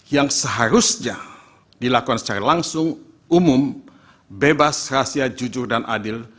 yang seharusnya dilakukan secara langsung umum bebas rahasia jujur dan adil